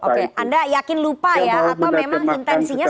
anda yakin lupa ya